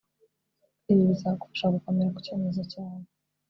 ibi bizagufasha gukomera ku cyemezo cyawe